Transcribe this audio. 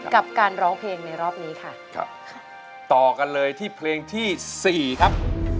กับการร้องเพลงในรอบนี้ค่ะครับต่อกันเลยที่เพลงที่สี่ครับ